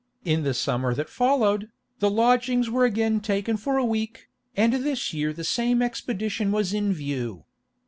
In the summer that followed, the lodgings were again taken for a week, and this year the same expedition was in view.